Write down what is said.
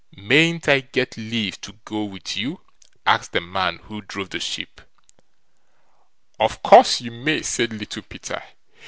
"Mayn't I get leave to go with you", asked the man who drove the sheep. "Of course you may", said Little Peter.